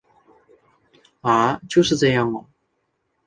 啊！就这样喔